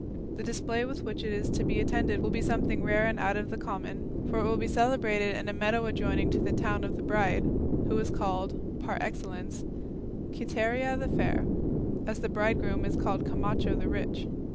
The display with which it is to be attended will be something rare and out of the common, for it will be celebrated in a meadow adjoining the town of the bride, who is called, par excellence, Quiteria the fair, as the bridegroom is called Camacho the rich.